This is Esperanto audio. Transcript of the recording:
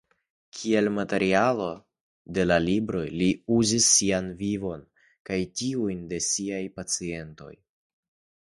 Kiel materialo de la libroj li uzis sian vivo kaj tiujn de siaj pacientoj.